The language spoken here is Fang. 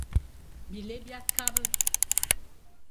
Bilé bia kabe.